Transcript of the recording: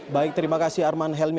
baik terima kasih arman helmi